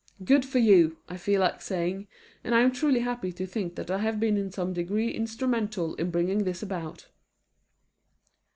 "Good for you!" I feel like saying; and I am truly happy to think that I have been in some degree instrumental in bringing this about.